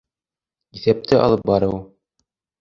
Иҫәпте алып барыу